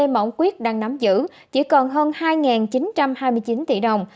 văn quyết đang nắm giữ chỉ còn hơn hai chín trăm hai mươi chín tỷ đồng